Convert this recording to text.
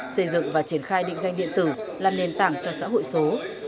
xây dựng và triển khai định danh điện tử là nền tảng cho xã hội số